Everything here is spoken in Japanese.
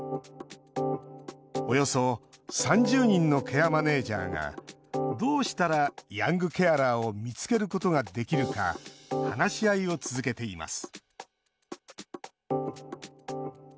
およそ３０人のケアマネージャーがどうしたらヤングケアラーを見つけることができるか話し合いを続けています